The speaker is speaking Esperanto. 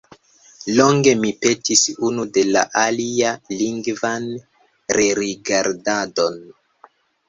Longe ni petis unu de la alia lingvan rerigardadon.